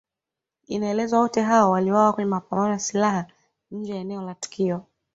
Inaelezwa wote hao waliuawa kwenye mapambano ya silaha nje ya eneo la tukio